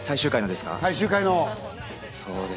最終回の。